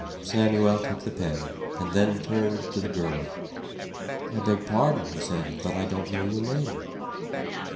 Samuel took the pen, and then turned to the girl. "I beg pardon," he said, "but I don't know your name."